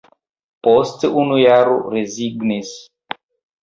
Post unu jaro rezignis.